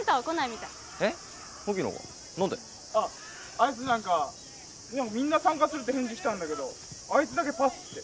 あいつ何かみんな参加するって返事来たんだけどあいつだけパスって。